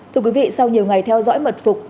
thưa quý vị sau nhiều ngày theo dõi mật phục